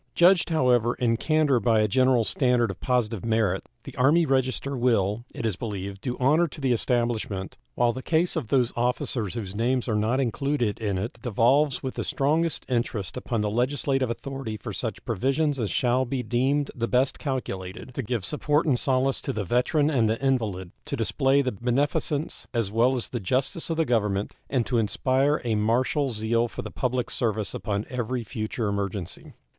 Judged, however, in candor by a general standard of positive merit, the Army Register will, it is believed, do honor to the establishment, while the case of those officers whose names are not included in it devolves with the strongest interest upon the legislative authority for such provisions as shall be deemed the best calculated to give support and solace to the veteran and the invalid, to display the beneficence as well as the justice of the Government, and to inspire a martial zeal for the public service upon every future emergency.